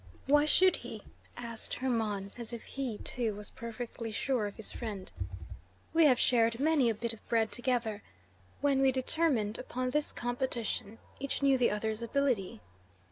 "Why should he?" asked Hermon, as if he, too, was perfectly sure of his friend. "We have shared many a bit of bread together. When we determined upon this competition each knew the other's ability.